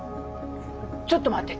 ちょっと待ってて。